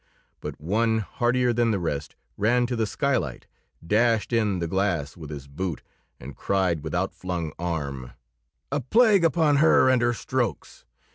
But one, hardier than the rest, ran to the skylight, dashed in the glass with his boot, and cried with outflung arm: "A plague upon her and her strokes.